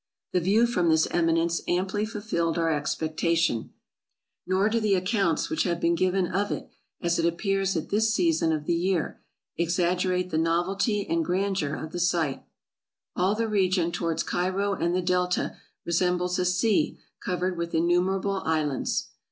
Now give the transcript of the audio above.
The view from this eminence am ply fulfilled our expectation ; nor do the accounts which have been given of it, as it appears at this season of the year, exaggerate the novelty and grandeur of the sight. All the region towards Cairo and the Delta resembles a sea covered with innumerable islands.